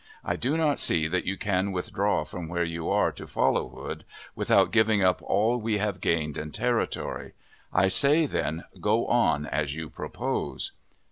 I do not see that you can withdraw from where you are to follow Hood, without giving up all we have gained in territory. I say, then, go on as you propose.